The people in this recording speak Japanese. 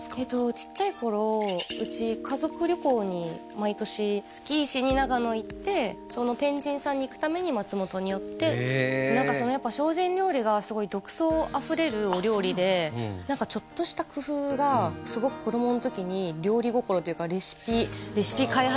ちっちゃい頃うち家族旅行に毎年スキーしに長野行ってその天神さんに行くために松本に寄ってへえ何かそのやっぱ精進料理がすごい何かちょっとした工夫がすごく子供の時に料理心というかレシピ開発